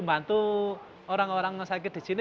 yang bantu orang orang yang sakit disini